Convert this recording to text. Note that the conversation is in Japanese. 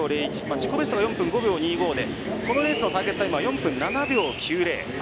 自己ベストが４分５秒２５でこのレースのターゲットタイムは４分７秒９０。